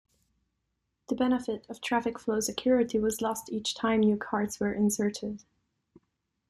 The benefit of traffic-flow security was lost each time new cards were inserted.